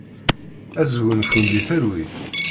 Ad sgunfun di talwit.